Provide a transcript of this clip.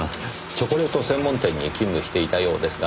チョコレート専門店に勤務していたようですが。